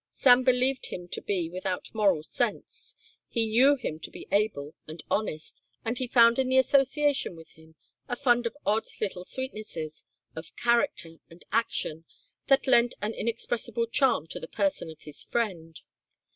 Sam believed him to be without moral sense; he knew him to be able and honest and he found in the association with him a fund of odd little sweetnesses of character and action that lent an inexpressible charm to the person of his friend.